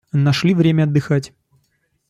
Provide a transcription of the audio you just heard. Нашли время отдыхать.